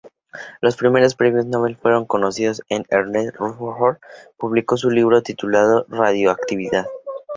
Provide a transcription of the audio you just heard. Los primeros premios nobel fueron concedidos, y Ernest Rutherford publicó su libro titulado Radioactividad.